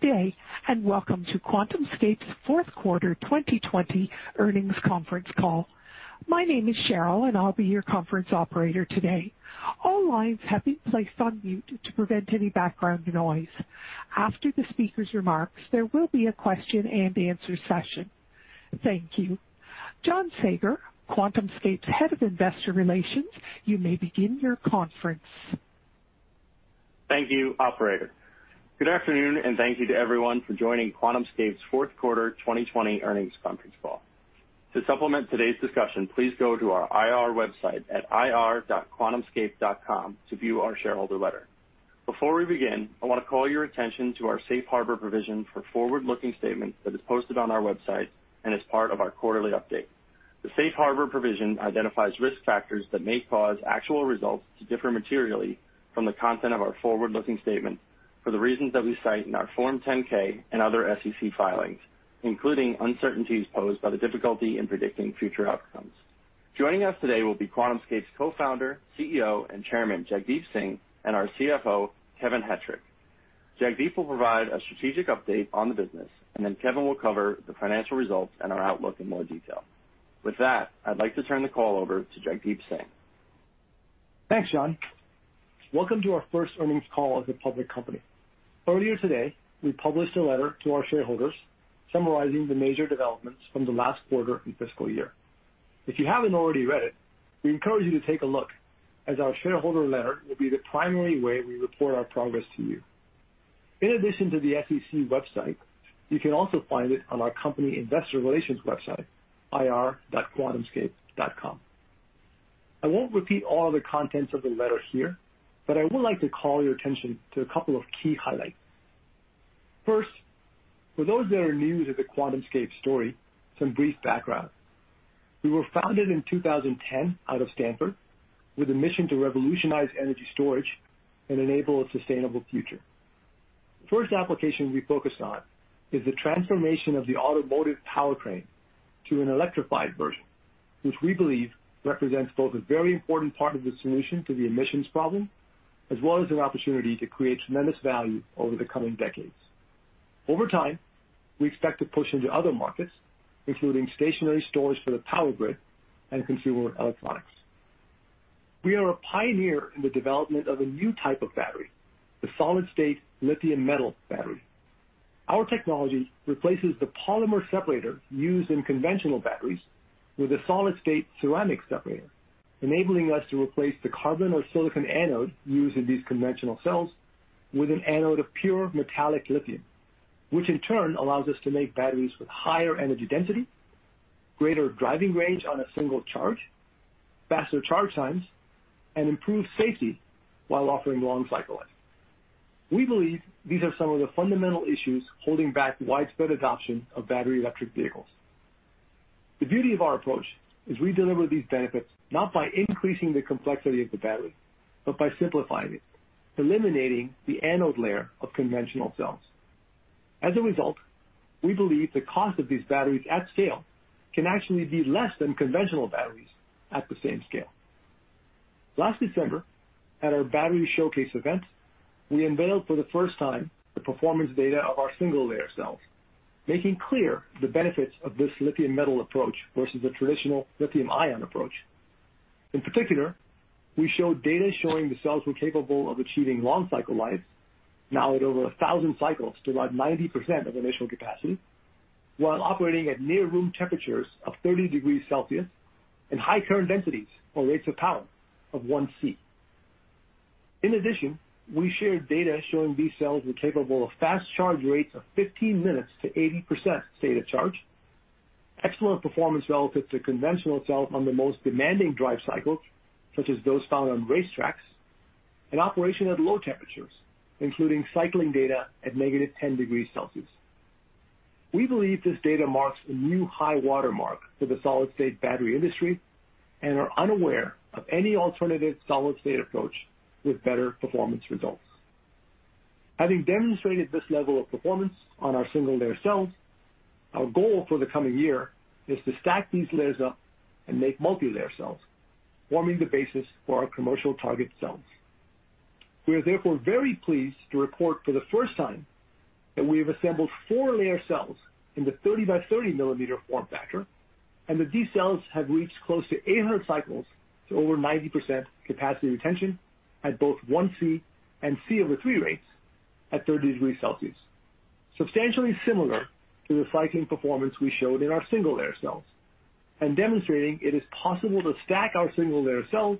Good day, and welcome to QuantumScape's fourth quarter 2020 earnings conference call. My name is Cheryl, and I'll be your conference operator today. All lines have been placed on mute to prevent any background noise. After the speaker's remarks, there will be a question and answer session. Thank you. John Saager, QuantumScape's Head of Investor Relations, you may begin your conference. Thank you, operator. Good afternoon, thank you to everyone for joining QuantumScape's fourth quarter 2020 earnings conference call. To supplement today's discussion, please go to our IR website at ir.quantumscape.com to view our shareholder letter. Before we begin, I want to call your attention to our safe harbor provision for forward-looking statements that is posted on our website and is part of our quarterly update. The safe harbor provision identifies risk factors that may cause actual results to differ materially from the content of our forward-looking statements for the reasons that we cite in our Form 10-K and other SEC filings, including uncertainties posed by the difficulty in predicting future outcomes. Joining us today will be QuantumScape's Co-founder, CEO, and Chairman, Jagdeep Singh, and our CFO, Kevin Hettrich. Jagdeep will provide a strategic update on the business, and then Kevin will cover the financial results and our outlook in more detail. With that, I'd like to turn the call over to Jagdeep Singh. Thanks, John. Welcome to our first earnings call as a public company. Earlier today, we published a letter to our shareholders summarizing the major developments from the last quarter and fiscal year. If you haven't already read it, we encourage you to take a look, as our shareholder letter will be the primary way we report our progress to you. In addition to the SEC website, you can also find it on our company investor relations website, ir.quantumscape.com. I won't repeat all the contents of the letter here. I would like to call your attention to a couple of key highlights. First, for those that are new to the QuantumScape story, some brief background. We were founded in 2010 out of Stanford with a mission to revolutionize energy storage and enable a sustainable future. The first application we focused on is the transformation of the automotive powertrain to an electrified version, which we believe represents both a very important part of the solution to the emissions problem, as well as an opportunity to create tremendous value over the coming decades. Over time, we expect to push into other markets, including stationary storage for the power grid and consumer electronics. We are a pioneer in the development of a new type of battery, the solid-state lithium-metal battery. Our technology replaces the polymer separator used in conventional batteries with a solid-state ceramic separator, enabling us to replace the carbon or silicon anode used in these conventional cells with an anode of pure metallic lithium, which in turn allows us to make batteries with higher energy density, greater driving range on a single charge, faster charge times, and improved safety while offering long cycle life. We believe these are some of the fundamental issues holding back widespread adoption of battery electric vehicles. The beauty of our approach is we deliver these benefits not by increasing the complexity of the battery, but by simplifying it, eliminating the anode layer of conventional cells. As a result, we believe the cost of these batteries at scale can actually be less than conventional batteries at the same scale. Last December, at our battery showcase event, we unveiled for the first time the performance data of our single-layer cells, making clear the benefits of this lithium-metal approach versus the traditional lithium-ion approach. In particular, we showed data showing the cells were capable of achieving long cycle life, now at over 1,000 cycles to about 90% of initial capacity, while operating at near room temperatures of 30 degrees Celsius and high current densities or rates of power of 1C. We shared data showing these cells were capable of fast charge rates of 15 minutes to 80% state of charge, excellent performance relative to conventional cells on the most demanding drive cycles, such as those found on racetracks, and operation at low temperatures, including cycling data at -10 degrees Celsius. We believe this data marks a new high watermark for the solid-state battery industry and are unaware of any alternative solid-state approach with better performance results. Having demonstrated this level of performance on our single-layer cells, our goal for the coming year is to stack these layers up and make multi-layer cells, forming the basis for our commercial target cells. We are therefore very pleased to report for the first time that we have assembled four-layer cells in the 30 by 30 millimeter form factor, that these cells have reached close to 800 cycles to over 90% capacity retention at both 1C and C/3 rates at 30 degrees Celsius. Substantially similar to the cycling performance we showed in our single-layer cells and demonstrating it is possible to stack our single-layer cells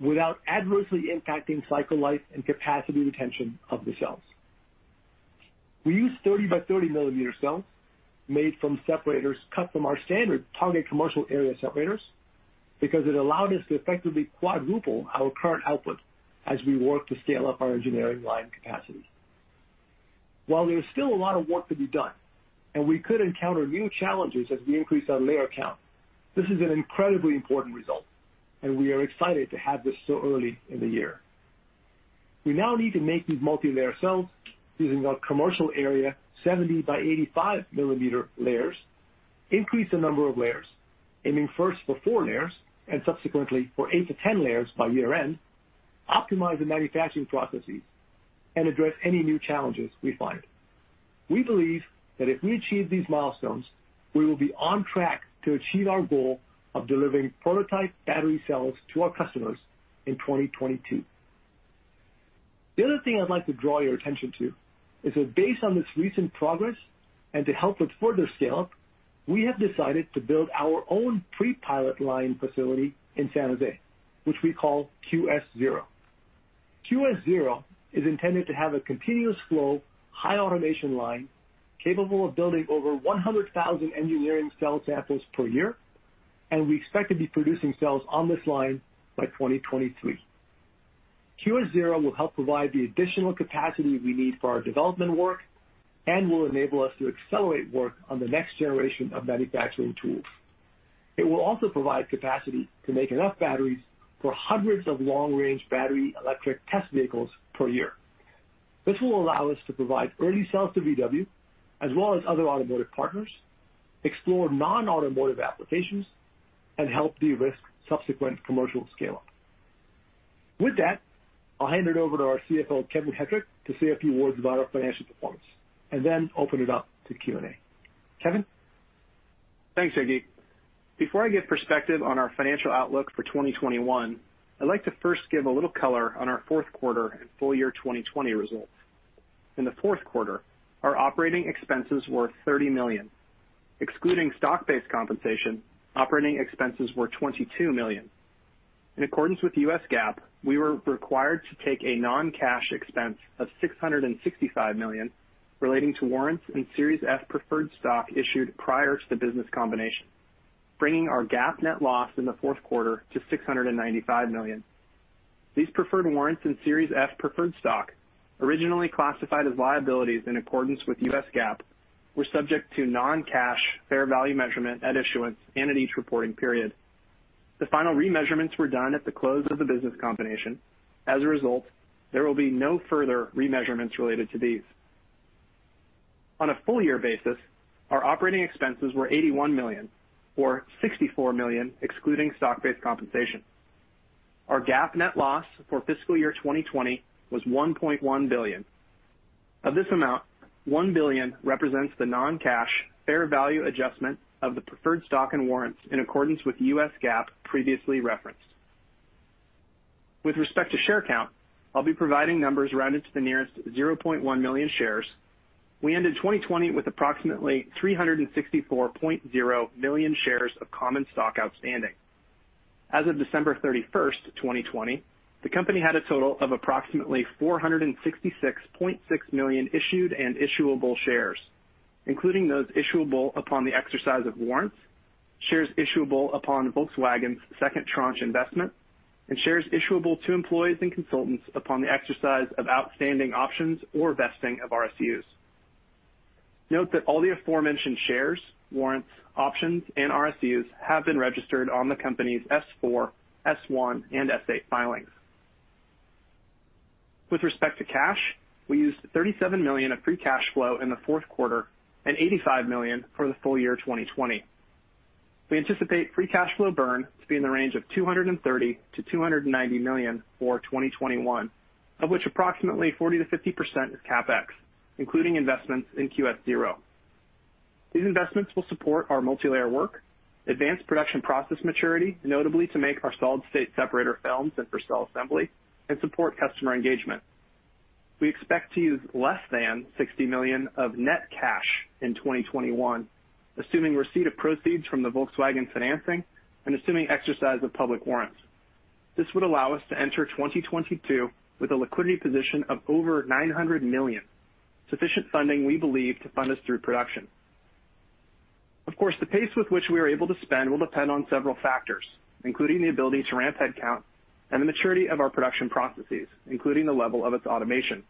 without adversely impacting cycle life and capacity retention of the cells. We use 30 by 30 millimeter cells made from separators cut from our standard target commercial area separators because it allowed us to effectively quadruple our current output as we work to scale up our engineering line capacity. While there is still a lot of work to be done and we could encounter new challenges as we increase our layer count, this is an incredibly important result, and we are excited to have this so early in the year. We now need to make these multi-layer cells using our commercial area 70 by 85 millimeter layers. Increase the number of layers, aiming first for four layers, and subsequently for eight to 10 layers by year-end, optimize the manufacturing processes, and address any new challenges we find. We believe that if we achieve these milestones, we will be on track to achieve our goal of delivering prototype battery cells to our customers in 2022. The other thing I'd like to draw your attention to is that based on this recent progress, and to help with further scale-up, we have decided to build our own pre-pilot line facility in San Jose, which we call QS-0. QS-0 is intended to have a continuous flow, high automation line capable of building over 100,000 engineering cell samples per year, and we expect to be producing cells on this line by 2023. QS-0 will help provide the additional capacity we need for our development work and will enable us to accelerate work on the next generation of manufacturing tools. It will also provide capacity to make enough batteries for hundreds of long-range battery electric test vehicles per year. This will allow us to provide early cells to VW, as well as other automotive partners, explore non-automotive applications, and help de-risk subsequent commercial scale-up. With that, I'll hand it over to our CFO, Kevin Hettrich, to say a few words about our financial performance, and then open it up to Q&A. Kevin? Thanks, Jagdeep. Before I give perspective on our financial outlook for 2021, I'd like to first give a little color on our fourth quarter and full year 2020 results. In the fourth quarter, our operating expenses were $30 million. Excluding stock-based compensation, operating expenses were $22 million. In accordance with U.S. GAAP, we were required to take a non-cash expense of $665 million relating to warrants in Series F preferred stock issued prior to the business combination, bringing our GAAP net loss in the fourth quarter to $695 million. These preferred warrants in Series F preferred stock, originally classified as liabilities in accordance with U.S. GAAP, were subject to non-cash fair value measurement at issuance and at each reporting period. The final remeasurements were done at the close of the business combination. As a result, there will be no further remeasurements related to these. On a full year basis, our operating expenses were $81 million, or $64 million excluding stock-based compensation. Our GAAP net loss for fiscal year 2020 was $1.1 billion. Of this amount, $1 billion represents the non-cash fair value adjustment of the preferred stock and warrants in accordance with U.S. GAAP previously referenced. With respect to share count, I'll be providing numbers rounded to the nearest 0.1 million shares. We ended 2020 with approximately 364.0 million shares of common stock outstanding. As of December 31st, 2020, the company had a total of approximately 466.6 million issued and issuable shares, including those issuable upon the exercise of warrants, shares issuable upon Volkswagen's second tranche investment, and shares issuable to employees and consultants upon the exercise of outstanding options or vesting of RSUs. Note that all the aforementioned shares, warrants, options, and RSUs have been registered on the company's S-4, S-1 and S-8 filings. With respect to cash, we used $37 million of free cash flow in the fourth quarter and $85 million for the full year 2020. We anticipate free cash flow burn to be in the range of $230 million-$290 million for 2021, of which approximately 40%-50% is CapEx, including investments in QS-0. These investments will support our multilayer work, advance production process maturity, notably to make our solid-state separator films and for cell assembly, and support customer engagement. We expect to use less than $60 million of net cash in 2021, assuming receipt of proceeds from the Volkswagen financing and assuming exercise of public warrants. This would allow us to enter 2022 with a liquidity position of over $900 million, sufficient funding, we believe, to fund us through production. Of course, the pace with which we are able to spend will depend on several factors, including the ability to ramp headcount and the maturity of our production processes, including the level of its automation.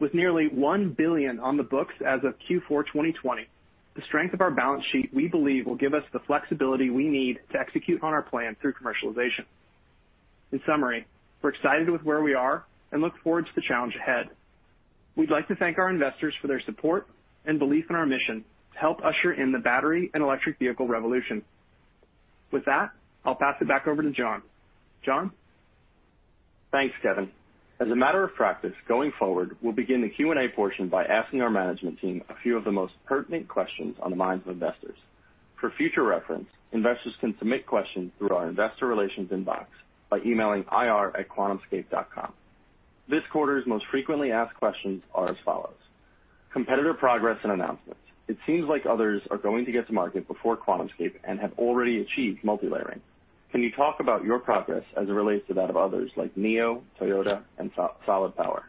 With nearly $1 billion on the books as of Q4 2020, the strength of our balance sheet, we believe, will give us the flexibility we need to execute on our plan through commercialization. In summary, we're excited with where we are and look forward to the challenge ahead. We'd like to thank our investors for their support and belief in our mission to help usher in the battery and electric vehicle revolution. With that, I'll pass it back over to John. John? Thanks, Kevin. As a matter of practice, going forward, we'll begin the Q&A portion by asking our management team a few of the most pertinent questions on the minds of investors. For future reference, investors can submit questions through our investor relations inbox by emailing ir@quantumscape.com. This quarter's most frequently asked questions are as follows. Competitive progress and announcements. It seems like others are going to get to market before QuantumScape and have already achieved multilayering. Can you talk about your progress as it relates to that of others like NIO, Toyota, and Solid Power?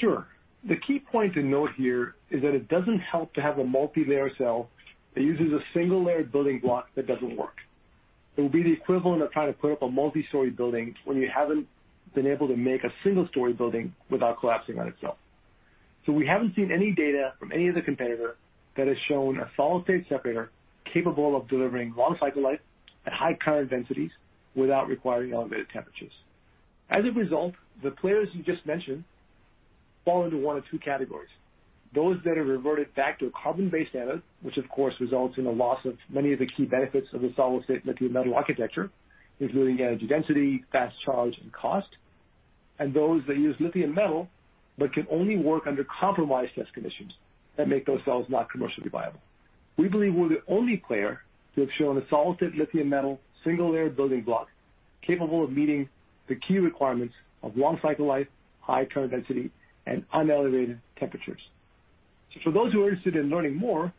Sure. The key point to note here is that it doesn't help to have a multilayer cell that uses a single-layered building block that doesn't work. It would be the equivalent of trying to put up a multi-story building when you haven't been able to make a single-story building without collapsing on itself. We haven't seen any data from any other competitor that has shown a solid-state separator capable of delivering long cycle life at high current densities without requiring elevated temperatures. As a result, the players you just mentioned fall into one of two categories. Those that have reverted back to a carbon-based anode, which of course, results in a loss of many of the key benefits of the solid-state lithium metal architecture, including energy density, fast charge, and cost, and those that use lithium metal but can only work under compromised test conditions that make those cells not commercially viable. We believe we're the only player to have shown a solid-state lithium metal single-layer building block capable of meeting the key requirements of long cycle life, high current density, and unelevated temperatures. For those who are interested in learning more,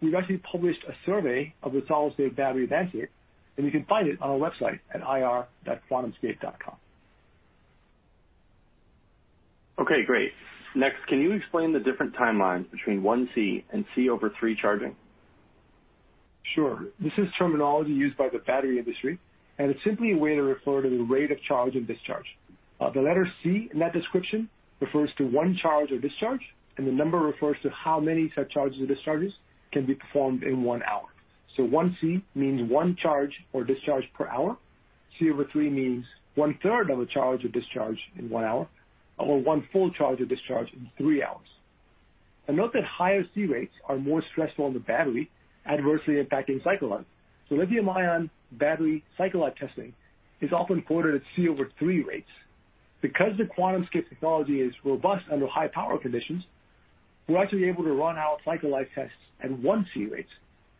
we've actually published a survey of the solid-state battery landscape, and you can find it on our website at ir.quantumscape.com. Okay, great. Next, can you explain the different timelines between 1C and C over three charging? Sure. This is terminology used by the battery industry. It's simply a way to refer to the rate of charge and discharge. The letter C in that description refers to one charge or discharge, the number refers to how many such charges or discharges can be performed in one hour. 1C means one charge or discharge per hour. C over three means one-third of a charge or discharge in one hour, or one full charge or discharge in three hours. Note that higher C rates are more stressful on the battery, adversely impacting cycle life. Lithium-ion battery cycle life testing is often quoted at C over three rates. Because the QuantumScape technology is robust under high power conditions, we're actually able to run our cycle life tests at 1C rates,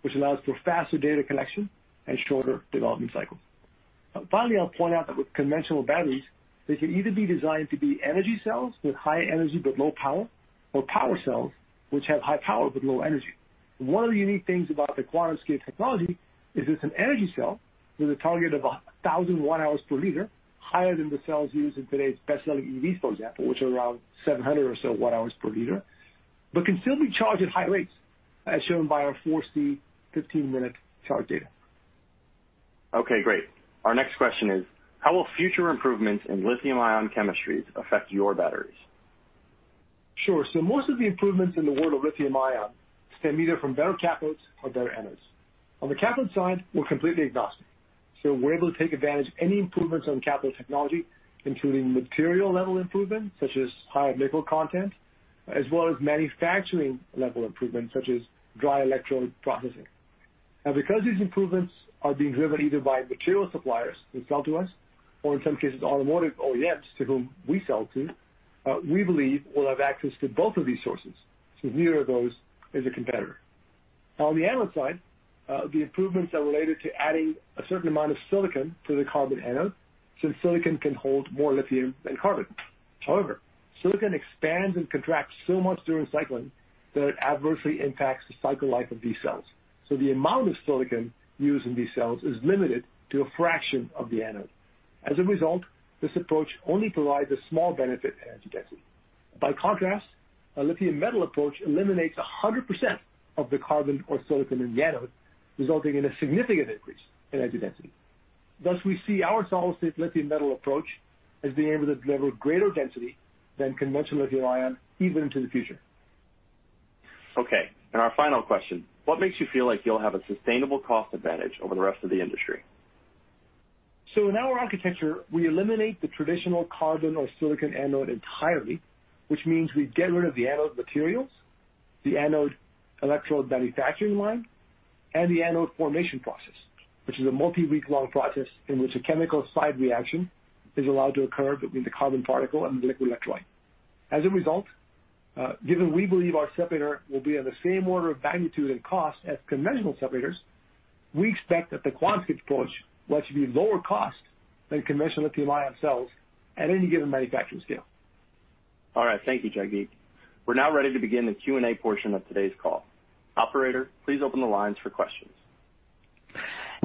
which allows for faster data collection and shorter development cycles. Finally, I'll point out that with conventional batteries, they can either be designed to be energy cells with high energy but low power, or power cells, which have high power but low energy. One of the unique things about the QuantumScape technology is it's an energy cell with a target of 1,000 watt-hours per liter, higher than the cells used in today's best-selling EVs, for example, which are around 700 or so watt hours per liter, but can still be charged at high rates, as shown by our 4C 15-minute charge data. Okay, great. Our next question is: How will future improvements in lithium-ion chemistries affect your batteries? Sure. Most of the improvements in the world of lithium-ion stem either from better cathodes or better anodes. On the cathode side, we're completely agnostic. We're able to take advantage of any improvements on the cathode technology, including material-level improvements, such as higher nickel content, as well as manufacturing-level improvements, such as dry electrode processing. Because these improvements are being driven either by material suppliers who sell to us, or in some cases, automotive OEMs to whom we sell to, we believe we'll have access to both of these sources. Neither of those is a competitor. On the anode side, the improvements are related to adding a certain amount of silicon to the carbon anode, since silicon can hold more lithium than carbon. However, silicon expands and contracts so much during cycling that it adversely impacts the cycle life of these cells. The amount of silicon used in these cells is limited to a fraction of the anode. As a result, this approach only provides a small benefit in energy density. By contrast, a lithium metal approach eliminates 100% of the carbon or silicon in the anode, resulting in a significant increase in energy density. Thus, we see our solid-state lithium metal approach as being able to deliver greater density than conventional lithium-ion, even into the future. Okay, our final question, what makes you feel like you'll have a sustainable cost advantage over the rest of the industry? In our architecture, we eliminate the traditional carbon or silicon anode entirely, which means we get rid of the anode materials, the anode electrode manufacturing line, and the anode formation process, which is a multi-week-long process in which a chemical side reaction is allowed to occur between the carbon particle and the liquid electrolyte. As a result, given we believe our separator will be on the same order of magnitude and cost as conventional separators, we expect that the QuantumScape approach will actually be lower cost than conventional lithium-ion cells at any given manufacturing scale. All right. Thank you, Jagdeep. We're now ready to begin the Q&A portion of today's call. Operator, please open the lines for questions.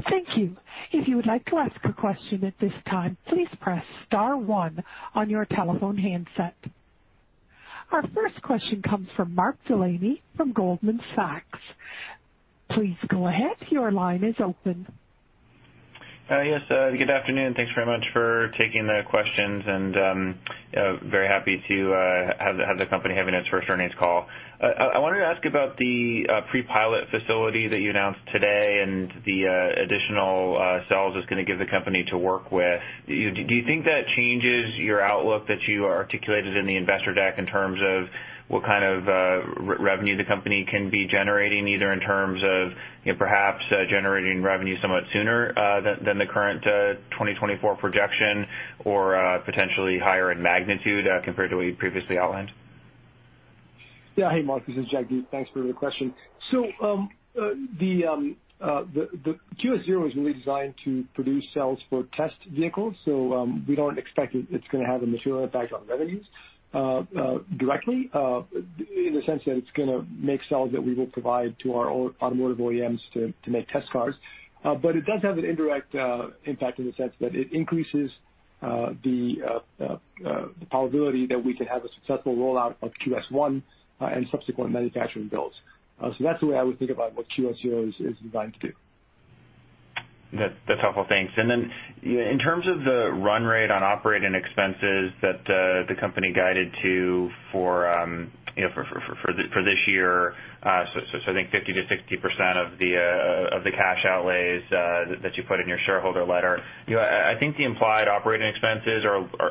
Thank you. If you would like to ask a question at this time please press star one on your telephone hand set. Our first question comes from Mark Delaney from Goldman Sachs. Please go ahead your line is open. Yes. Good afternoon. Thanks very much for taking the questions and very happy to have the company having its first earnings call. I wanted to ask about the pre-pilot facility that you announced today and the additional cells it's going to give the company to work with. Do you think that changes your outlook that you articulated in the investor deck in terms of what kind of revenue the company can be generating, either in terms of perhaps generating revenue somewhat sooner than the current 2024 projection or potentially higher in magnitude compared to what you previously outlined? Yeah. Hey, Mark. This is Jagdeep. Thanks for the question. The QS-0 is really designed to produce cells for test vehicles. We don't expect it's going to have a material impact on revenues directly in the sense that it's going to make cells that we will provide to our automotive OEMs to make test cars. It does have an indirect impact in the sense that it increases the probability that we can have a successful rollout of QS-1 and subsequent manufacturing builds. That's the way I would think about what QS-0 is designed to do. That's helpful. Thanks. Then in terms of the run rate on operating expenses that the company guided to for this year, so I think 50%-60% of the cash outlays that you put in your shareholder letter. I think the implied operating expenses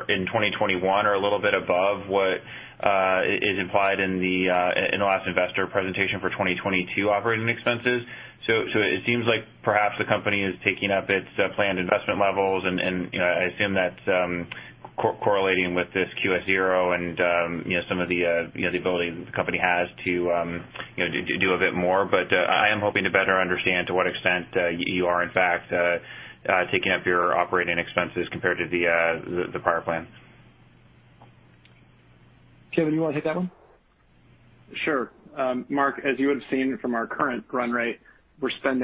in 2021 are a little bit above what is implied in the last investor presentation for 2022 operating expenses. It seems like perhaps the company is taking up its planned investment levels, and I assume that's correlating with this QS-0 and some of the ability the company has to do a bit more. I am hoping to better understand to what extent you are, in fact, taking up your operating expenses compared to the prior plan. Kevin, you want to hit that one? Sure. Mark, as you would've seen from our current run rate, we spent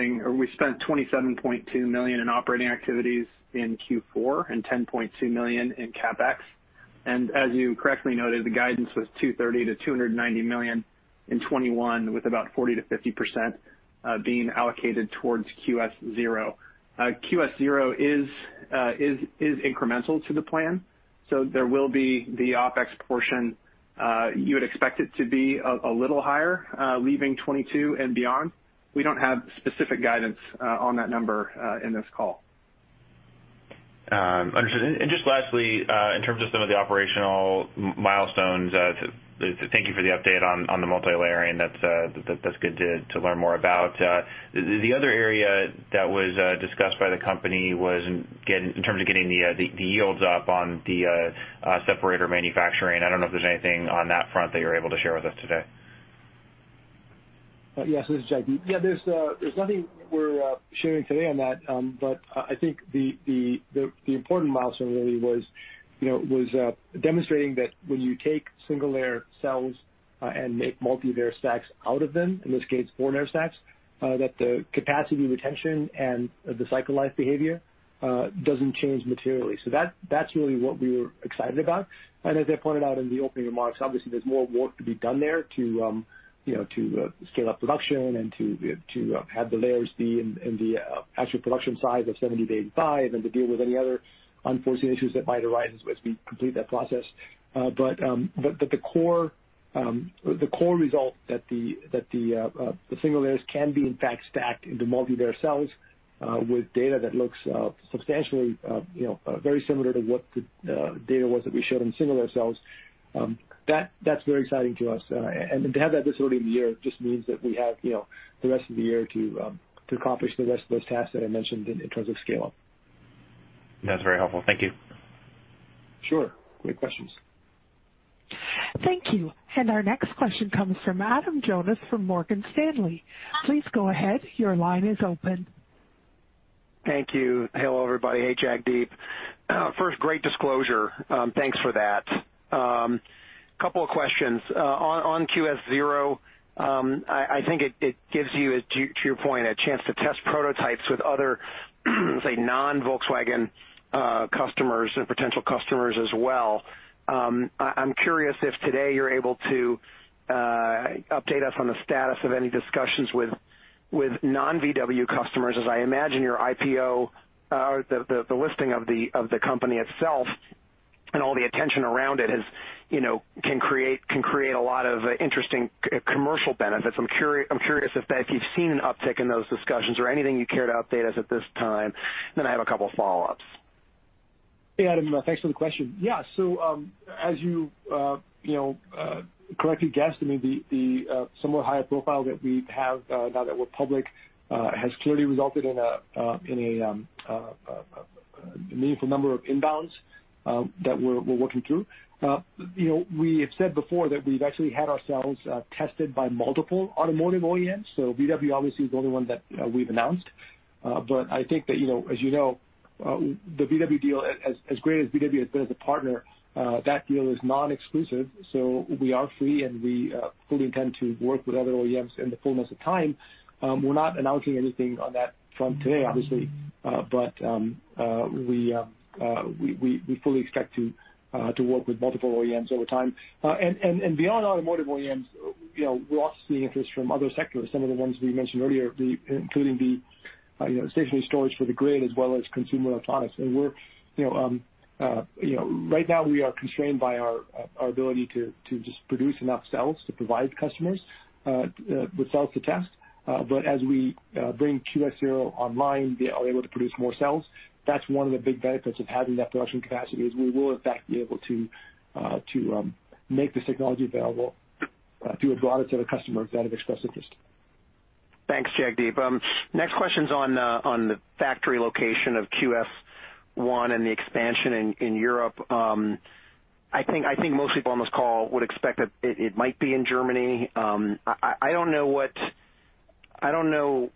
$27.2 million in operating activities in Q4 and $10.2 million in CapEx. As you correctly noted, the guidance was $230 million-$290 million in 2021, with about 40%-50% being allocated towards QS-0. QS-0 is incremental to the plan. There will be the OpEx portion. You would expect it to be a little higher, leaving 2022 and beyond. We don't have specific guidance on that number in this call. Understood. Just lastly, in terms of some of the operational milestones, thank you for the update on the multilayering. That's good to learn more about. The other area that was discussed by the company was in terms of getting the yields up on the separator manufacturing. I don't know if there's anything on that front that you're able to share with us today. Yes. This is Jagdeep. There's nothing we're sharing today on that. I think the important milestone really was demonstrating that when you take single-layer cells and make multi-layer stacks out of them, in this case four-layer stacks, that the capacity retention and the cycle life behavior doesn't change materially. That's really what we were excited about. As I pointed out in the opening remarks, obviously there's more work to be done there to scale up production and to have the layers be in the actual production size of 70-85 and to deal with any other unforeseen issues that might arise as we complete that process. The core result that the single layers can be in fact stacked into multi-layer cells with data that looks substantially very similar to what the data was that we showed on single-layer cells, that's very exciting to us. To have that this early in the year just means that we have the rest of the year to accomplish the rest of those tasks that I mentioned in terms of scale-up. That's very helpful. Thank you. Sure. Great questions. Thank you. Our next question comes from Adam Jonas from Morgan Stanley. Please go ahead. Your line is open. Thank you. Hello, everybody. Hey, Jagdeep. First, great disclosure. Thanks for that. Couple of questions. On QS-0, I think it gives you, to your point, a chance to test prototypes with other say, non-Volkswagen customers and potential customers as well. I'm curious if today you're able to update us on the status of any discussions with non-VW customers, as I imagine your IPO or the listing of the company itself and all the attention around it can create a lot of interesting commercial benefits. I'm curious if you've seen an uptick in those discussions or anything you care to update us at this time. I have a couple of follow-ups. Adam. Thanks for the question. Yeah. As you correctly guessed, I mean, the somewhat higher profile that we have now that we're public, has clearly resulted in a meaningful number of inbounds that we're working through. We have said before that we've actually had ourselves tested by multiple automotive OEMs. VW obviously is the only one that we've announced. I think that as you know, the VW deal, as great as VW has been as a partner, that deal is non-exclusive. We are free, and we fully intend to work with other OEMs in the fullness of time. We're not announcing anything on that front today, obviously. We fully expect to work with multiple OEMs over time. Beyond automotive OEMs, we're also seeing interest from other sectors, some of the ones we mentioned earlier, including the stationary storage for the grid as well as consumer electronics. Right now, we are constrained by our ability to just produce enough cells to provide customers with cells to test. As we bring QS-0 online, they are able to produce more cells. That's one of the big benefits of having that production capacity, is we will in fact be able to make this technology available to a broader set of customers that have expressed interest. Thanks, Jagdeep. Next question's on the factory location of QS-1 and the expansion in Europe. I think most people on this call would expect that it might be in Germany. I don't know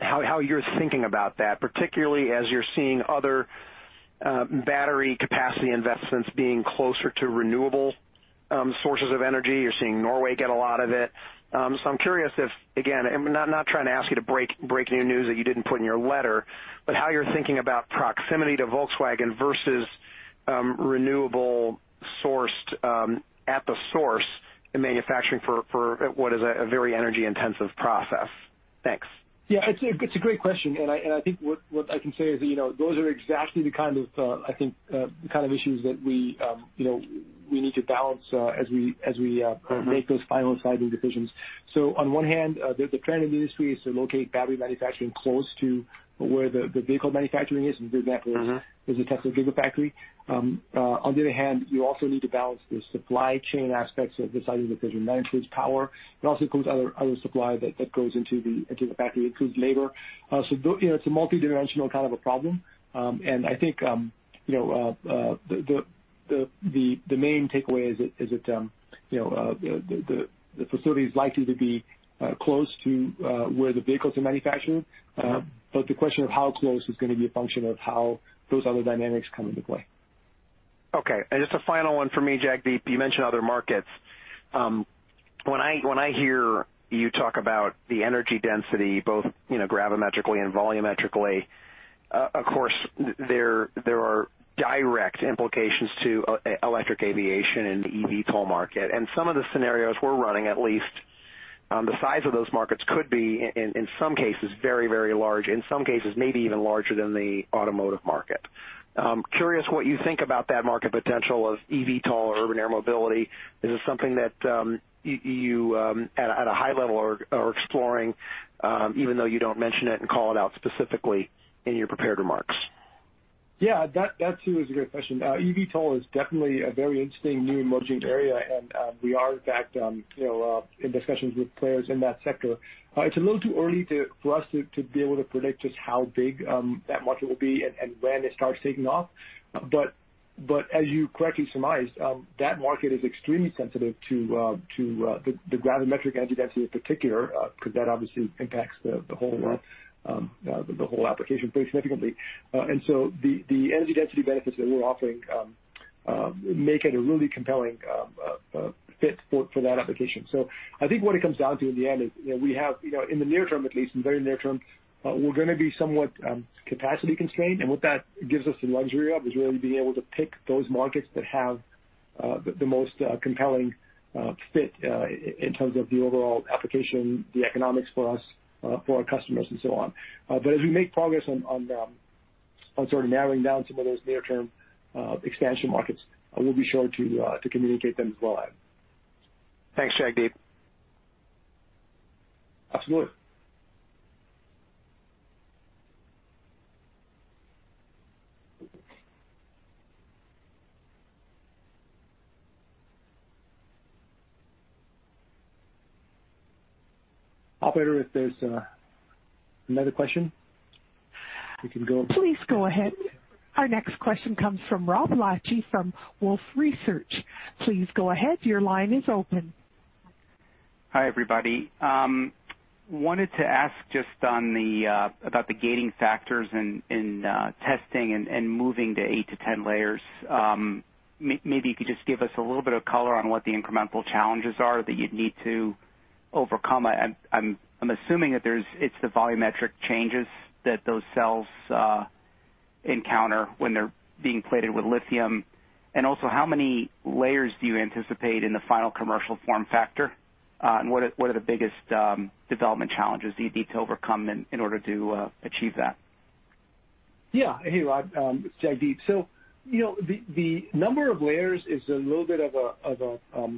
how you're thinking about that, particularly as you're seeing other battery capacity investments being closer to renewable sources of energy. You're seeing Norway get a lot of it. I'm curious if, again, I'm not trying to ask you to break new news that you didn't put in your letter, but how you're thinking about proximity to Volkswagen versus renewable-sourced at the source in manufacturing for what is a very energy-intensive process. Thanks. Yeah, it's a great question. I think what I can say is that those are exactly the kind of issues that we need to balance as we make those final sizing decisions. On one hand, the trend in the industry is to locate battery manufacturing close to where the vehicle manufacturing is. is the Tesla Gigafactory. On the other hand, you also need to balance the supply chain aspects of deciding the location. That includes power. It also includes other supply that goes into the factory. Includes labor. It's a multidimensional kind of a problem. I think the main takeaway is that the facility is likely to be close to where the vehicles are manufactured. The question of how close is going to be a function of how those other dynamics come into play. Okay. Just a final one from me, Jagdeep. You mentioned other markets. When I hear you talk about the energy density, both gravimetrically and volumetrically, of course, there are direct implications to electric aviation and the eVTOL market. Some of the scenarios we're running, at least, the size of those markets could be, in some cases, very large. In some cases, maybe even larger than the automotive market. Curious what you think about that market potential of eVTOL or urban air mobility? Is it something that you at a high level are exploring, even though you don't mention it and call it out specifically in your prepared remarks? Yeah, that too is a good question. eVTOL is definitely a very interesting new emerging area, and we are, in fact, in discussions with players in that sector. It's a little too early for us to be able to predict just how big that market will be and when it starts taking off. As you correctly surmised, that market is extremely sensitive to the gravimetric energy density in particular, because that obviously impacts the whole application pretty significantly. The energy density benefits that we're offering make it a really compelling fit for that application. I think what it comes down to in the end is we have in the near term, at least, in the very near term, we're going to be somewhat capacity constrained. What that gives us the luxury of is really being able to pick those markets that have the most compelling fit in terms of the overall application, the economics for us, for our customers, and so on. As we make progress on sort of narrowing down some of those near-term expansion markets, we'll be sure to communicate them as well. Thanks, Jagdeep. Absolutely. Operator, if there's another question, we can go- Please go ahead. Our next question comes from Rod Lache from Wolfe Research. Please go ahead. Your line is open. Hi, everybody. Wanted to ask just about the gating factors in testing and moving to 8-10 layers. Maybe you could just give us a little bit of color on what the incremental challenges are that you'd need to overcome. I'm assuming that it's the volumetric changes that those cells encounter when they're being plated with lithium. Also, how many layers do you anticipate in the final commercial form factor? What are the biggest development challenges you'd need to overcome in order to achieve that? Yeah. Hey, Rod. It's Jagdeep. The number of layers is a little bit of a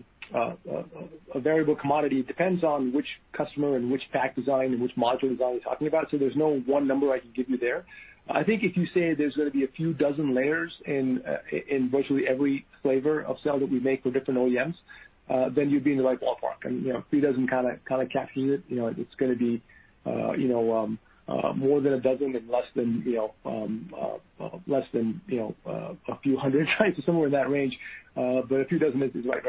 variable commodity. It depends on which customer and which pack design and which module design we're talking about. There's no one number I can give you there. I think if you say there's going to be a few dozen layers in virtually every flavor of cell that we make for different OEMs, then you'd be in the right ballpark. Three dozen kind of captures it. It's going to be more than a dozen and less than a few hundred somewhere in that range. A few dozen is the right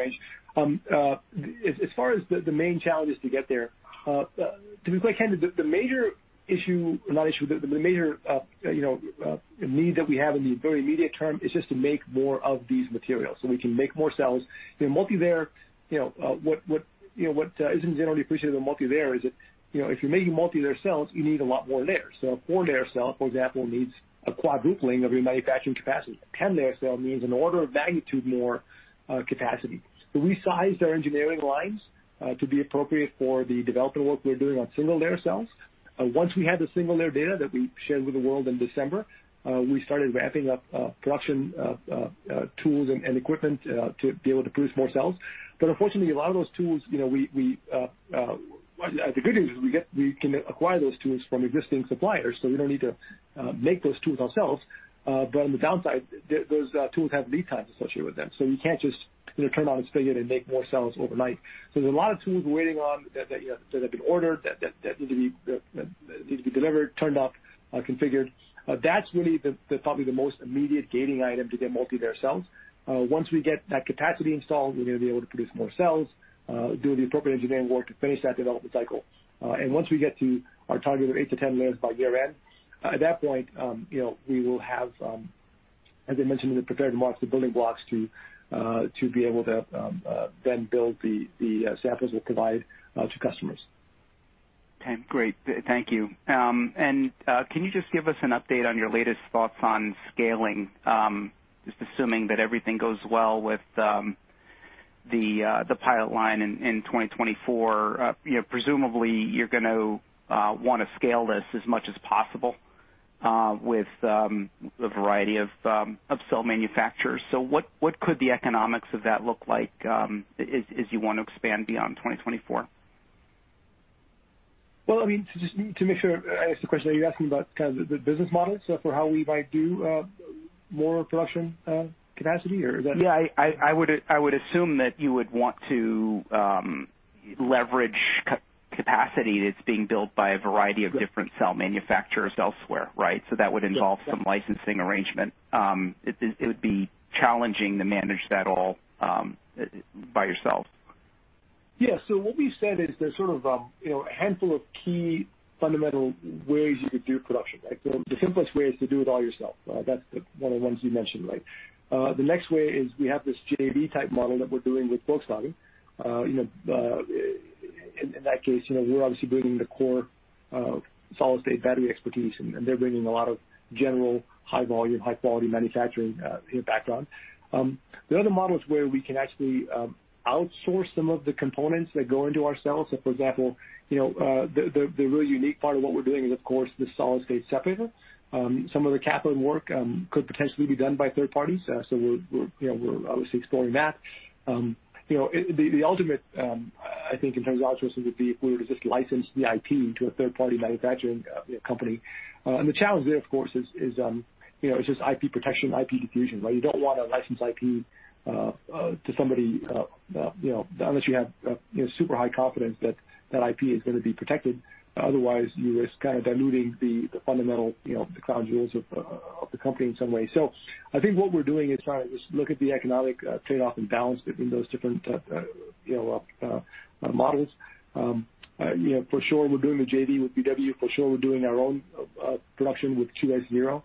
range. As far as the main challenges to get there, to be quite candid, the major issue, or not issue, the major need that we have in the very immediate term is just to make more of these materials so we can make more cells. What isn't generally appreciated with multi-layer is that if you're making multi-layer cells, you need a lot more layers. A four-layer cell, for example, needs a quadrupling of your manufacturing capacity. A 10-layer cell needs an order of magnitude more capacity. We sized our engineering lines to be appropriate for the development work we're doing on single-layer cells. Once we had the single-layer data that we shared with the world in December, we started ramping up production tools and equipment to be able to produce more cells. Unfortunately, a lot of those tools-- The good news is we can acquire those tools from existing suppliers, we don't need to make those tools ourselves. On the downside, those tools have lead times associated with them. We can't just turn on a spigot and make more cells overnight. There's a lot of tools we're waiting on that have been ordered, that need to be delivered, turned up, configured. That's really probably the most immediate gating item to get multi-layer cells. Once we get that capacity installed, we're going to be able to produce more cells, do the appropriate engineering work to finish that development cycle. Once we get to our target of 8-10 layers by year-end, at that point, we will have, as I mentioned in the prepared remarks, the building blocks to be able to then build the samples we'll provide to customers. Okay, great. Thank you. Can you just give us an update on your latest thoughts on scaling? Just assuming that everything goes well with the pilot line in 2024, presumably you're going to want to scale this as much as possible with a variety of cell manufacturers. What could the economics of that look like as you want to expand beyond 2024? Well, to make sure I answer the question, are you asking about the business model for how we might do more production capacity, or is that? Yeah, I would assume that you would want to leverage capacity that's being built by a variety of different cell manufacturers elsewhere, right? That would involve some licensing arrangement. It would be challenging to manage that all by yourself. Yeah. What we've said is there's sort of a handful of key fundamental ways you could do production, right? The simplest way is to do it all yourself. That's one of the ones you mentioned. The next way is we have this JV type model that we're doing with Volkswagen. In that case, we're obviously bringing the core solid-state battery expertise, and they're bringing a lot of general high volume, high-quality manufacturing background. The other model is where we can actually outsource some of the components that go into our cells. For example, the really unique part of what we're doing is, of course, the solid-state separator. Some of the cathode work could potentially be done by third parties. We're obviously exploring that. The ultimate, I think, in terms of outsourcing, would be if we were to just license the IP to a third-party manufacturing company. The challenge there, of course, is just IP protection, IP diffusion, right? You don't want to license IP to somebody unless you have super high confidence that that IP is going to be protected. Otherwise, you risk kind of diluting the fundamental crown jewels of the company in some way. I think what we're doing is trying to just look at the economic trade-off and balance between those different models. For sure we're doing the JV with VW. For sure we're doing our own production with QS-0.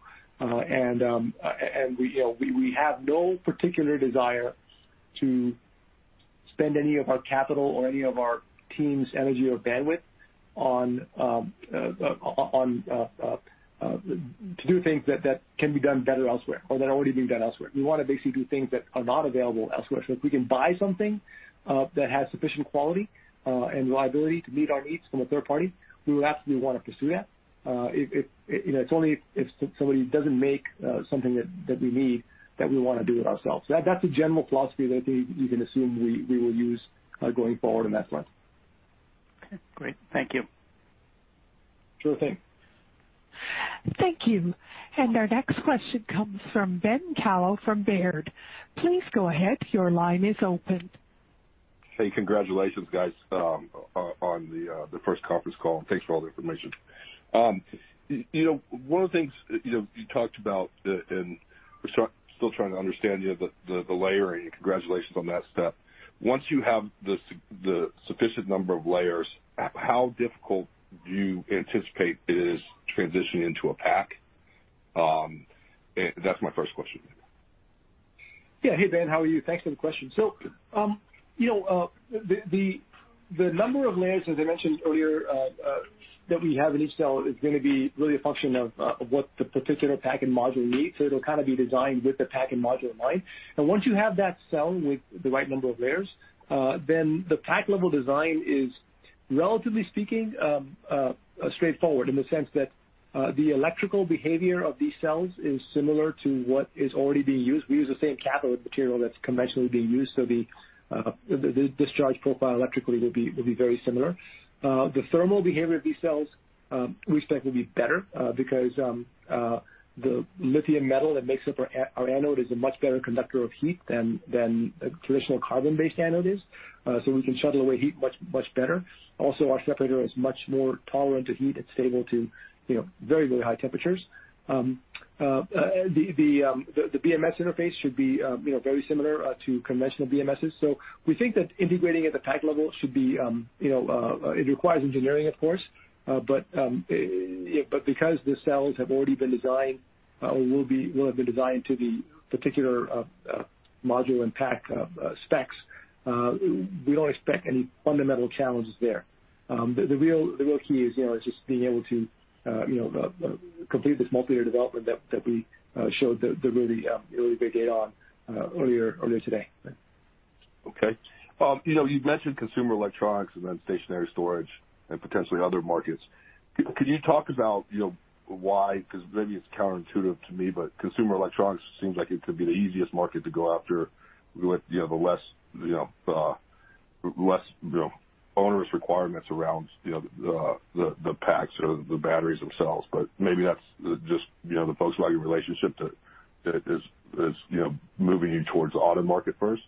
We have no particular desire to spend any of our capital or any of our team's energy or bandwidth to do things that can be done better elsewhere or that are already being done elsewhere. We want to basically do things that are not available elsewhere. If we can buy something that has sufficient quality and reliability to meet our needs from a third party, we would absolutely want to pursue that. It's only if somebody doesn't make something that we need, that we want to do it ourselves. That's the general philosophy that I think you can assume we will use going forward in that front. Okay, great. Thank you. Sure thing. Thank you. Our next question comes from Ben Kallo from Baird. Please go ahead. Your line is open. Hey, congratulations, guys, on the first conference call, and thanks for all the information. One of the things you talked about, and we're still trying to understand the layering. Congratulations on that step. Once you have the sufficient number of layers, how difficult do you anticipate it is transitioning into a pack? That's my first question. Yeah. Hey, Ben, how are you? Thanks for the question. The number of layers, as I mentioned earlier, that we have in each cell is going to be really a function of what the particular pack and module needs. It'll kind of be designed with the pack and module in mind. Once you have that cell with the right number of layers, then the pack level design is relatively speaking, straightforward in the sense that the electrical behavior of these cells is similar to what is already being used. We use the same cathode material that's conventionally being used. The discharge profile electrically will be very similar. The thermal behavior of these cells, we expect, will be better because the lithium metal that makes up our anode is a much better conductor of heat than a traditional carbon-based anode is. We can shuttle away heat much better. Also, our separator is much more tolerant to heat. It's stable to very high temperatures. The BMS interface should be very similar to conventional BMSs. We think that integrating at the pack level should be, it requires engineering, of course. Because the cells have already been designed or will have been designed to the particular module and pack specs, we don't expect any fundamental challenges there. The real key is just being able to complete this multi-year development that we showed the really big data on earlier today. Okay. You've mentioned consumer electronics and then stationary storage and potentially other markets. Could you talk about why, because maybe it's counterintuitive to me, but consumer electronics seems like it could be the easiest market to go after with the less onerous requirements around the packs or the batteries themselves. Maybe that's just the Volkswagen relationship that is moving you towards the auto market first.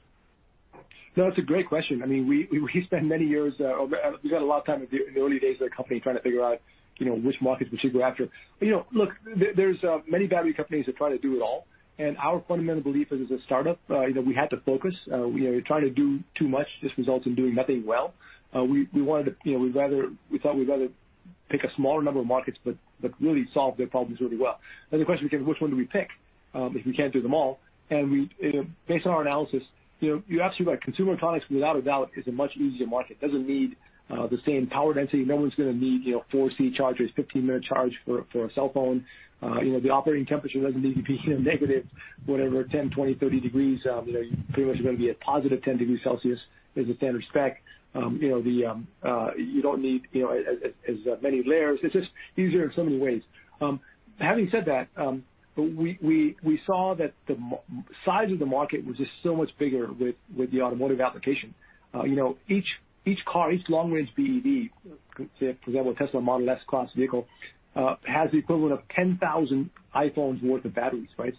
No, it's a great question. We spent a lot of time in the early days of the company trying to figure out which markets we should go after. Look, there's many battery companies that try to do it all, and our fundamental belief is, as a startup, we had to focus. Trying to do too much just results in doing nothing well. We thought we'd rather pick a smaller number of markets, but really solve their problems really well. The question becomes, which one do we pick, if we can't do them all? Based on our analysis, you asked me about consumer electronics, without a doubt, is a much easier market. Doesn't need the same power density. No one's going to need 4C chargers, 15-minute charge for a cell phone. The operating temperature doesn't need to be negative, whatever, 10, 20, 30 degrees. You pretty much are going to be at positive 10 degrees Celsius is the standard spec. You don't need as many layers. It's just easier in so many ways. Having said that, we saw that the size of the market was just so much bigger with the automotive application. Each car, each long-range BEV, say a Tesla Model S class vehicle, has the equivalent of 10,000 iPhones worth of batteries, right?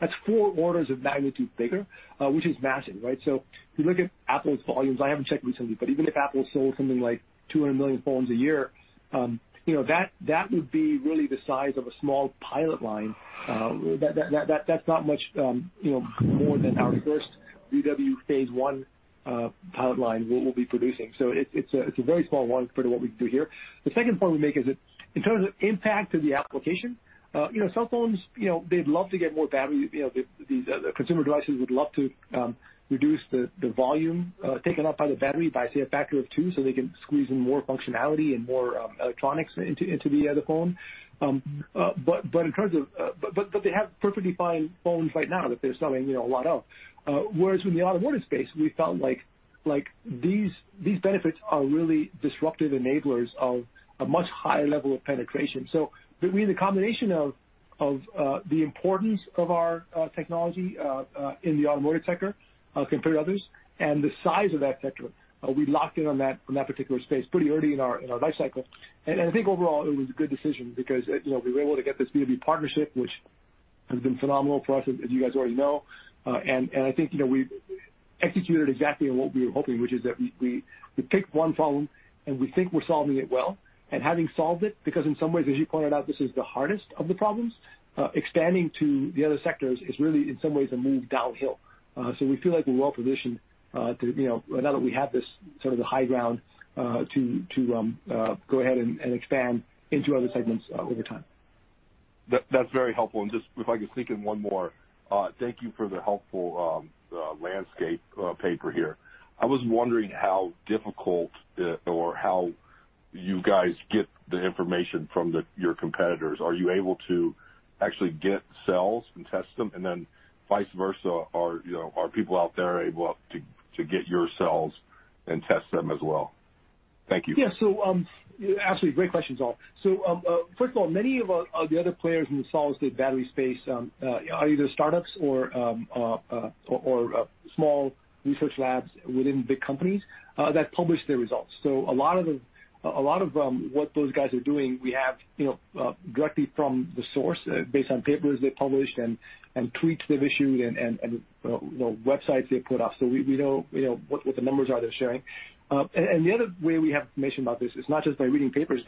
That's four orders of magnitude bigger, which is massive, right? If you look at Apple's volumes, I haven't checked recently, but even if Apple sold something like 200 million phones a year, that would be really the size of a small pilot line. That's not much more than our first VW phase one pilot line will be producing. It's a very small one compared to what we can do here. The second point we make is that in terms of impact to the application, cell phones, they'd love to get more battery. These consumer devices would love to reduce the volume taken up by the battery by, say, a factor of two, so they can squeeze in more functionality and more electronics into the phone. They have perfectly fine phones right now that they're selling a lot of. Whereas in the automotive space, we found these benefits are really disruptive enablers of a much higher level of penetration. Between the combination of the importance of our technology in the automotive sector compared to others and the size of that sector, we locked in on that particular space pretty early in our life cycle. I think overall it was a good decision because we were able to get this B2B partnership, which has been phenomenal for us, as you guys already know. I think we've executed exactly on what we were hoping, which is that we pick one problem, and we think we're solving it well, and having solved it, because in some ways, as you pointed out, this is the hardest of the problems, expanding to the other sectors is really, in some ways, a move downhill. We feel like we're well-positioned now that we have this sort of the high ground to go ahead and expand into other segments over time. That's very helpful. Just if I could sneak in one more. Thank you for the helpful landscape paper here. I was wondering how difficult or how you guys get the information from your competitors. Are you able to actually get cells and test them and then vice versa, are people out there able to get your cells and test them as well? Thank you. Yeah. Absolutely great questions all. First of all, many of the other players in the solid-state battery space are either startups or small research labs within big companies that publish their results. A lot of what those guys are doing, we have directly from the source, based on papers they published and tweets they've issued and websites they put up. We know what the numbers are they're sharing. The other way we have information about this is not just by reading papers,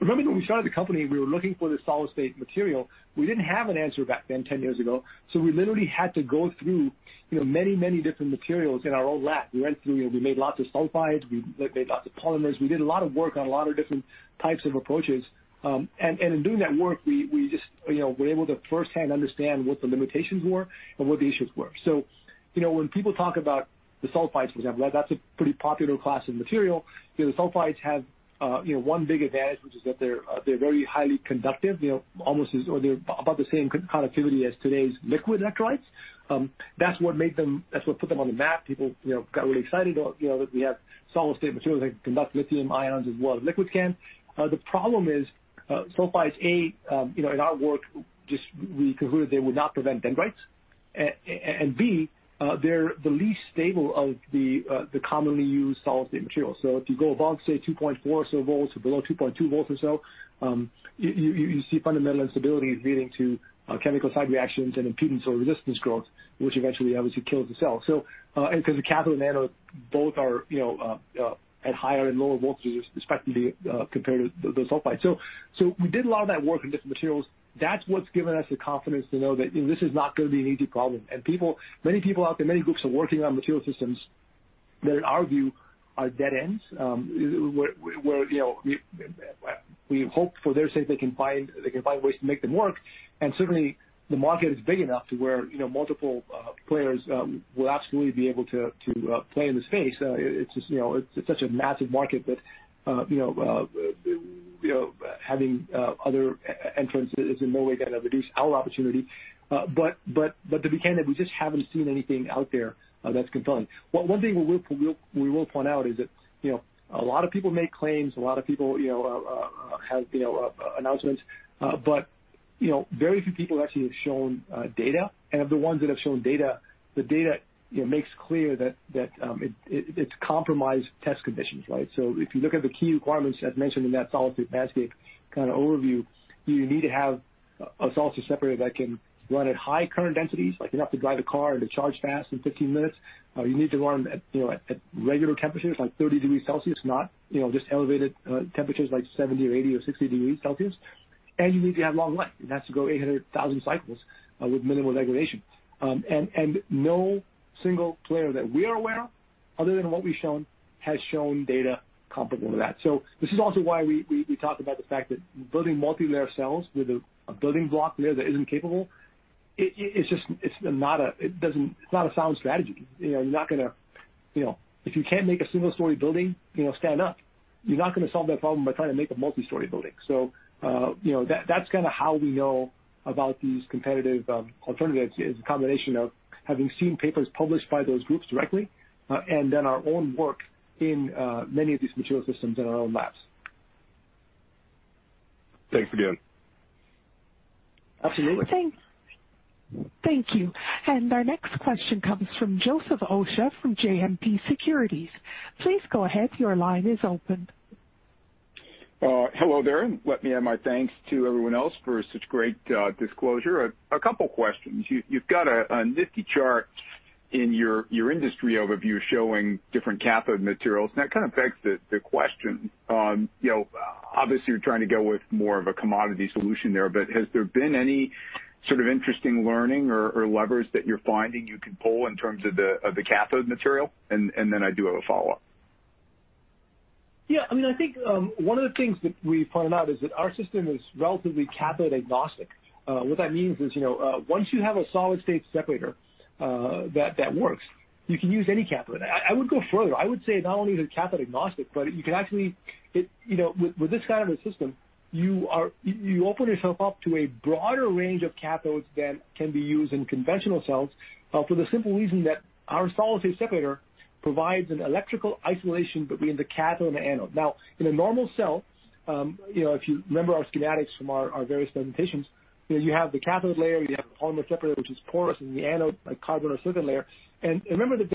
remember when we started the company, we were looking for this solid-state material. We didn't have an answer back then 10 years ago, we literally had to go through many different materials in our own lab. We went through, we made lots of sulfides, we made lots of polymers. We did a lot of work on a lot of different types of approaches. In doing that work, we just were able to firsthand understand what the limitations were and what the issues were. When people talk about the sulfides, for example, that's a pretty popular class of material. The sulfides have one big advantage, which is that they're very highly conductive, almost as, or they're about the same conductivity as today's liquid electrolytes. That's what put them on the map. People got really excited that we have solid-state materials that can conduct lithium ions as well as liquids can. The problem is sulfides, A, in our work, just we concluded they would not prevent dendrites, and B, they're the least stable of the commonly used solid-state materials. If you go above, say, 2.4 or so volts or below 2.2 volts or so, you see fundamental instability leading to chemical side reactions and impedance or resistance growth, which eventually obviously kills the cell. Because the cathode and anode both are at higher and lower voltages respectively compared to the sulfide. We did a lot of that work on different materials. That's what's given us the confidence to know that this is not going to be an easy problem. Many people out there, many groups are working on material systems that in our view are dead ends, where we hope for their sake they can find ways to make them work, and certainly the market is big enough to where multiple players will absolutely be able to play in the space. It's such a massive market that having other entrants is in no way going to reduce our opportunity. To be candid, we just haven't seen anything out there that's compelling. One thing we will point out is that a lot of people make claims, a lot of people have announcements, but very few people actually have shown data. Of the ones that have shown data, the data makes clear that it's compromised test conditions, right? If you look at the key requirements as mentioned in that solid-state landscape kind of overview, you need to have a solid-state separator that can run at high current densities, like enough to drive a car and to charge fast in 15 minutes. You need to run at regular temperatures, like 30 degrees Celsius, not just elevated temperatures like 70 or 80 or 60 degrees Celsius. You need to have long life. It has to go 800 to 1,000 cycles with minimal degradation. No single player that we are aware of, other than what we've shown, has shown data comparable to that. This is also why we talk about the fact that building multilayer cells with a building block there that isn't capable, it's not a sound strategy. If you can't make a single-story building stand up, you're not going to solve that problem by trying to make a multi-story building. That's kind of how we know about these competitive alternatives, is a combination of having seen papers published by those groups directly, and then our own work in many of these material systems in our own labs. Thanks again. Absolutely. Thank you. Our next question comes from Joseph Osha from JMP Securities. Please go ahead, your line is open. Hello there. Let me add my thanks to everyone else for such great disclosure. A couple questions. You've got a nifty chart in your industry overview showing different cathode materials. That kind of begs the question. Obviously you're trying to go with more of a commodity solution there. Has there been any sort of interesting learning or levers that you're finding you can pull in terms of the cathode material? I do have a follow-up. Yeah, I think one of the things that we point out is that our system is relatively cathode agnostic. What that means is, once you have a solid-state separator that works, you can use any cathode. I would go further. I would say not only is it cathode agnostic, but you can actually, with this kind of a system, you open yourself up to a broader range of cathodes than can be used in conventional cells for the simple reason that our solid-state separator provides an electrical isolation between the cathode and the anode. Now, in a normal cell, if you remember our schematics from our various presentations, you have the cathode layer, you have the polymer separator, which is porous, and the anode, like carbon or silicon layer. Remember that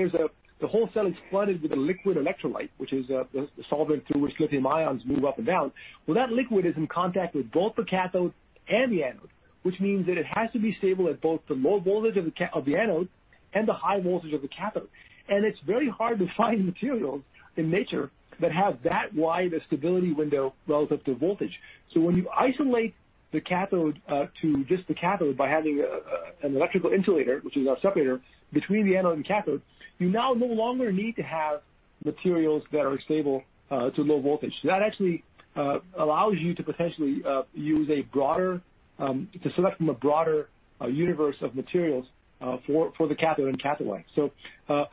the whole cell is flooded with a liquid electrolyte, which is the solvent through which lithium ions move up and down. Well, that liquid is in contact with both the cathode and the anode, which means that it has to be stable at both the low voltage of the anode and the high voltage of the cathode. It's very hard to find materials in nature that have that wide a stability window relative to voltage. When you isolate the cathode to just the cathode by having an electrical insulator, which is our separator between the anode and cathode, you now no longer need to have materials that are stable to low voltage. That actually allows you to potentially select from a broader universe of materials for the cathode and cathode-like. That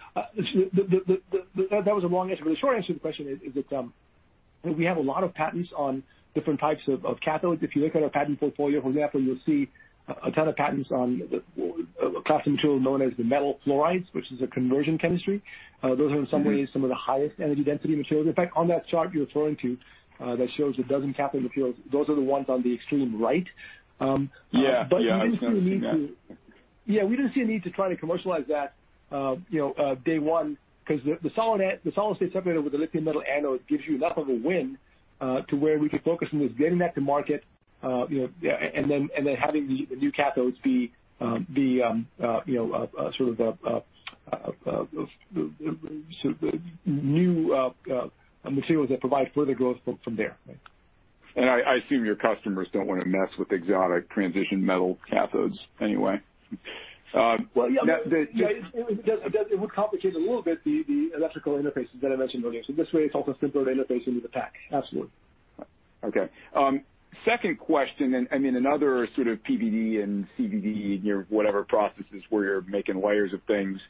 was a long answer. The short answer to the question is that we have a lot of patents on different types of cathodes. If you look at our patent portfolio from there, you'll see a ton of patents on a class of material known as the metal fluorides, which is a conversion chemistry. Those are in some ways some of the highest energy density materials. In fact, on that chart you're referring to, that shows a dozen cathode materials. Those are the ones on the extreme right. Yeah, I was going to say that. Yeah, we didn't see a need to try to commercialize that day one, because the solid-state separator with the lithium metal anode gives you enough of a win to where we could focus on just getting that to market, and then having the new cathodes be the sort of the new materials that provide further growth from there. I assume your customers don't want to mess with exotic transition metal cathodes anyway. Yeah. It would complicate a little bit the electrical interfaces that I mentioned earlier. This way, it's also simpler to interface into the pack. Absolutely. Okay. Second question, another sort of PVD and CVD and your whatever processes where you're making layers of things.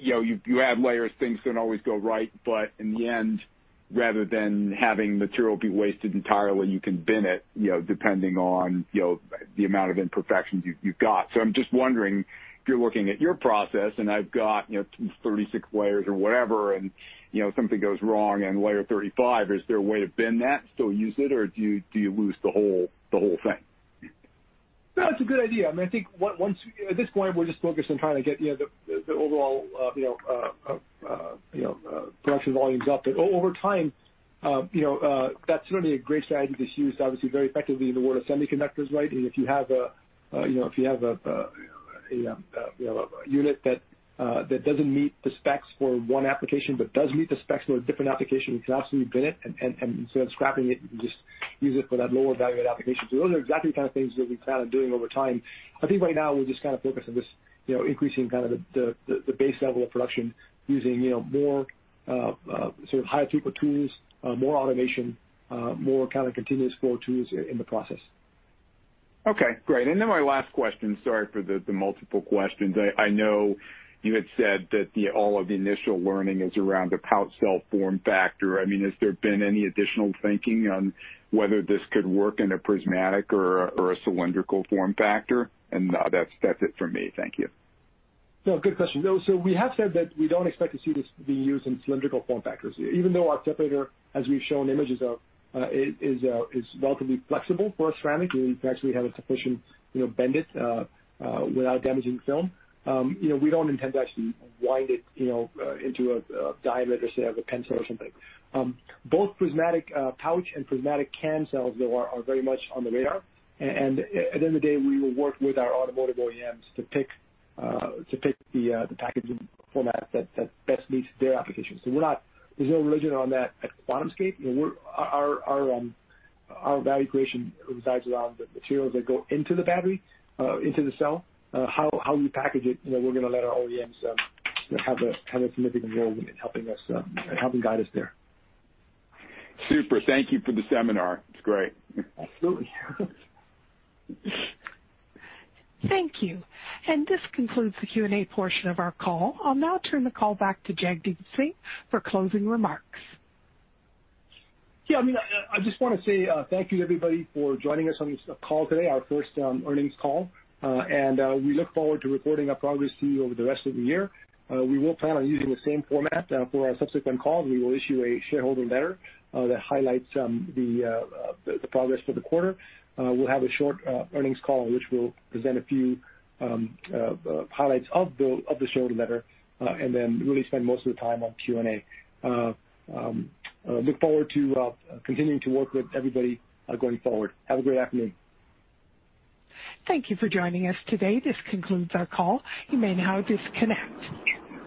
You add layers, things don't always go right, but in the end, rather than having material be wasted entirely, you can bin it, depending on the amount of imperfections you've got. I'm just wondering, if you're looking at your process and I've got 36 layers or whatever, and something goes wrong in layer 35, is there a way to bin that and still use it, or do you lose the whole thing? No, it's a good idea. I think at this point, we're just focused on trying to get the overall production volumes up. Over time, that's certainly a great strategy that's used obviously very effectively in the world of semiconductors, right? If you have a unit that doesn't meet the specs for one application but does meet the specs for a different application, you can absolutely bin it and instead of scrapping it, you can just use it for that lower-value application. Those are exactly the kind of things that we plan on doing over time. I think right now we're just kind of focused on just increasing the base level of production using more sort of higher throughput tools, more automation, more kind of continuous flow tools in the process. Okay, great. My last question, sorry for the multiple questions. I know you had said that all of the initial learning is around the pouch cell form factor. Has there been any additional thinking on whether this could work in a prismatic or a cylindrical form factor? That's it for me. Thank you. No, good question. We have said that we don't expect to see this being used in cylindrical form factors. Even though our separator, as we've shown images of, is relatively flexible for a ceramic. You can actually have a sufficient bend it without damaging the film. We don't intend to actually wind it into a diameter, say, of a pencil or something. Both prismatic pouch and prismatic can cells, though, are very much on the radar. At the end of the day, we will work with our automotive OEMs to pick the packaging format that best meets their applications. There's no religion on that at QuantumScape. Our value creation resides around the materials that go into the battery, into the cell. How we package it, we're going to let our OEMs have a significant role in helping guide us there. Super. Thank you for the seminar. It's great. Absolutely. Thank you. This concludes the Q&A portion of our call. I'll now turn the call back to Jagdeep Singh for closing remarks. I just want to say thank you everybody for joining us on this call today, our first earnings call. We look forward to reporting our progress to you over the rest of the year. We will plan on using the same format for our subsequent calls. We will issue a shareholder letter that highlights the progress for the quarter. We'll have a short earnings call, which will present a few highlights of the shareholder letter, and then really spend most of the time on Q&A. Look forward to continuing to work with everybody going forward. Have a great afternoon. Thank you for joining us today. This concludes our call. You may now disconnect.